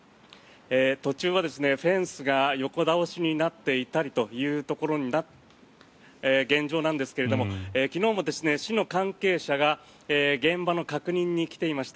途中はフェンスが横倒しになっていたりという現状ですが昨日も市の関係者が現場の確認に来ていました。